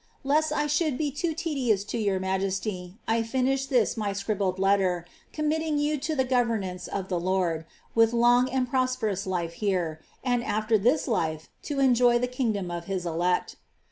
" Let't I sliould be too tedious to your majesty, I finish this my scribbled letter, ommitting you to the governance of tlie Lord, with long and prosperous life leie, and after this life to enjoy the kingdom of his elect.